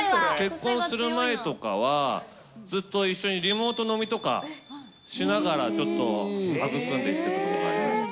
結婚する前とかは、ずっと一緒にリモート飲みとかしながら、ちょっと、育んでいったところがありまして。